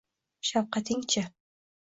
Shafqatning-chi?